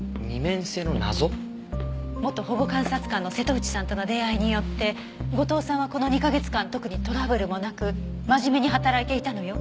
元保護監察官の瀬戸内さんとの出会いによって後藤さんはこの２カ月間特にトラブルもなく真面目に働いていたのよ。